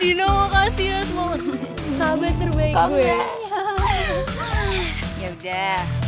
dina makasih ya semoga kamu sahabat terbaik gue